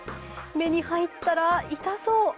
目に入ったら痛そう。